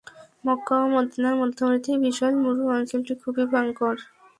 মক্কা ও মদীনার মধ্যবর্তী বিশাল মরু অঞ্চলটি খুবই ভয়ঙ্কর।